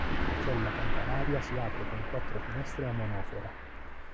La cella campanaria si apre con quattro finestre a monofora.